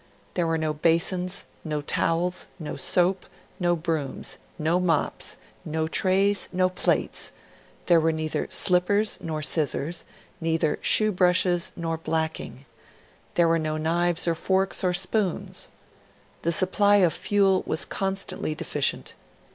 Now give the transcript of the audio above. There were no basins, no towels, no soap, no brooms, no mops, no trays, no plates; there were neither slippers nor scissors, neither shoe brushes nor blacking; there were no knives or forks or spoons. The supply of fuel was constantly deficient.